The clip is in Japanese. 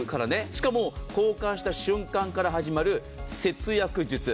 しかも交換した瞬間から始まる節約術。